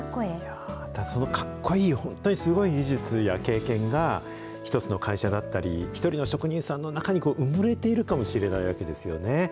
かっこいい、本当にすごい技術や経験が、一つの会社だったり、１人の職人さんの中に埋もれているかもしれないわけですよね。